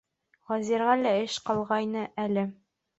Вәзиргә лә эш ҡалғайны әле: